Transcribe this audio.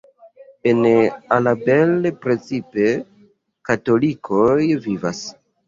En Alabel precipe katolikoj vivas.